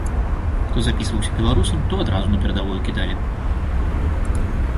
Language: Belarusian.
Хто запісваўся беларусам, то адразу на перадавую кідалі.